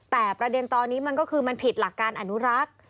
แต่ประเด็นตอนนี้มันก็คือมันผิดหลักการอนุรักษ์